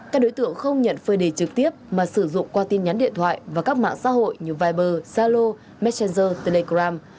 các đối tượng không nhận phơi đề trực tiếp mà sử dụng qua tin nhắn điện thoại và các mạng xã hội như viber zalo messenger telegram